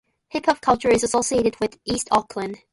Hip hop culture is associated with East Oakland.